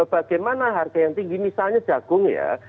bagaimana harga yang tinggi misalnya jagung ya